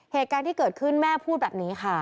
เหตุการณ์ที่เกิดขึ้นแม่พูดแบบนี้ค่ะ